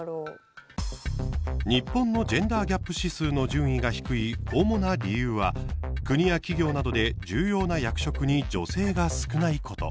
日本のジェンダーギャップ指数の順位が低い主な理由は国や企業などで重要な役職に女性が少ないこと。